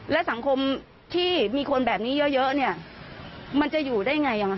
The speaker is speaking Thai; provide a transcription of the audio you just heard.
และสังคมที่มีคนแบบนี้เยอะเนี่ยมันจะอยู่ได้ไง